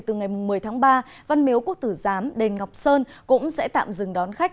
từ ngày một mươi tháng ba văn miếu quốc tử giám đền ngọc sơn cũng sẽ tạm dừng đón khách